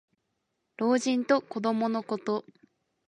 老人と子どものこと。